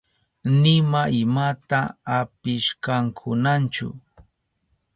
Nima imata apishkakunachu.